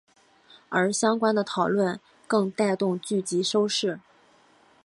而相关的讨论更带动剧集收视。